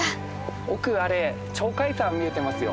奥あれ鳥海山見えてますよ。